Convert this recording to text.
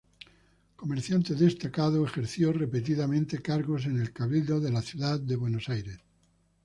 Comerciante destacado, ejerció repetidamente cargos en el cabildo de la ciudad de Buenos Aires.